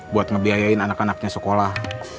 buat ngebiayain anak anaknya sekolah